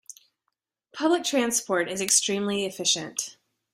Public transport is extremely efficient.